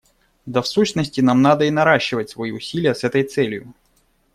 Да в сущности, нам надо и наращивать свои усилия с этой целью.